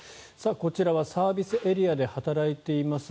こちらはサービスエリアで働いています